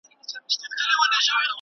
زکات د مسلمان دنده ده.